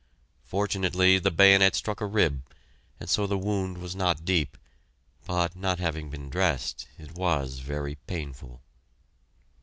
Fortunately the bayonet struck a rib, and so the wound was not deep, but not having been dressed, it was very painful.